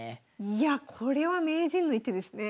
いやこれは名人の一手ですね。